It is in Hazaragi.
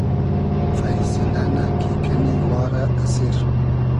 فݷسیلۂ نۂ کی کئنی وا رۂ اسیر